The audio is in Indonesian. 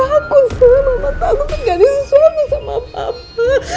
aku salah mama takut pegangin sesuatu sama papa